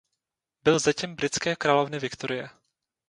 Byl zetěm britské královny Viktorie.